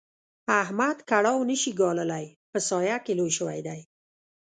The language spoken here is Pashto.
احمد کړاو نه شي ګاللای؛ په سايه کې لوی شوی دی.